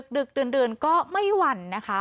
ดึกดื่นก็ไม่หวั่นนะคะ